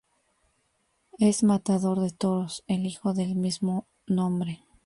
Es matador de toros el hijo del mismo nombre.